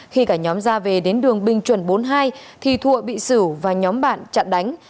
khi cả nhóm ra về đến đường bình chuẩn bốn mươi hai thì thụa bị xử và nhóm bạn chặn đánh